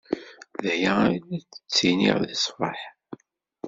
D aya ay la d-ttiniɣ seg ṣṣbaḥ.